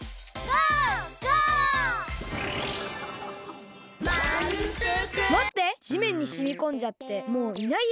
じめんにしみこんじゃってもういないや。